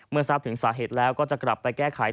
ทราบถึงสาเหตุแล้วก็จะกลับไปแก้ไข